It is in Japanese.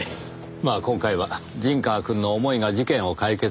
まあ今回は陣川くんの思いが事件を解決したという事で。